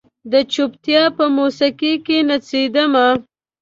د چوپتیا په موسیقۍ کې نڅیدمه